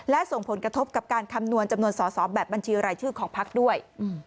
และส่งผลกระทบกับการคำนวณจำนวนสอสอแบบบัญชีรายชื่อของพักด้วย